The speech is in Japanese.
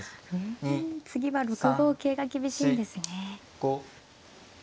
うん次は６五桂が厳しいんですね。